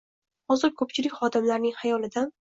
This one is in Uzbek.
Hozir ko‘pchilik xodimlarning hayolidan